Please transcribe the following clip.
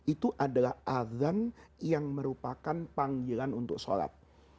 itu adalah azan yang merupakan panggilan untuk sholat